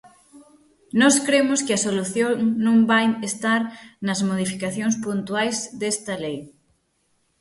Nós cremos que a solución non vai estar nas modificacións puntuais desta lei.